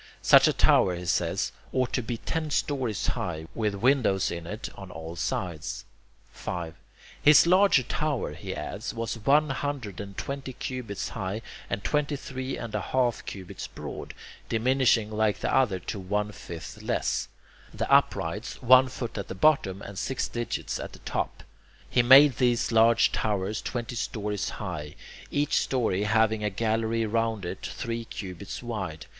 Such a tower, he says, ought to be ten stories high, with windows in it on all sides. 5. His larger tower, he adds, was one hundred and twenty cubits high and twenty three and one half cubits broad, diminishing like the other to one fifth less; the uprights, one foot at the bottom and six digits at the top. He made this large tower twenty stories high, each story having a gallery round it, three cubits wide.